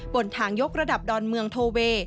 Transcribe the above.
บนทางยกระดับดอนเมืองโทเวย์